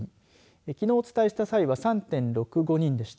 きのう、お伝えした際は３．６５人でした。